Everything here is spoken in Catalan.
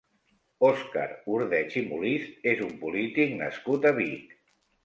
Òscar Ordeig i Molist és un polític nascut a Vic.